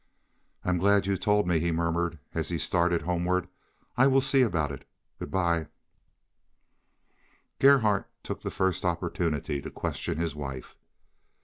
"I am glad you told me," he murmured as he started homeward. "I will see about it. Good by." Gerhardt took the first opportunity to question his wife.